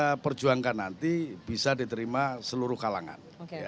kita perjuangkan nanti bisa diterima seluruh kalangan